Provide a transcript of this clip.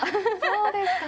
そうですか！